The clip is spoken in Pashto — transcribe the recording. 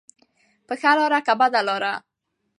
په ښه لاره که بده لاره.